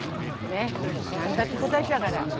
ねっ何だって答えちゃうから。